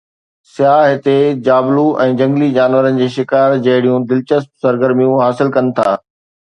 سياح هتي جابلو ۽ جهنگلي جانورن جي شڪار جهڙيون دلچسپ سرگرميون حاصل ڪن ٿا.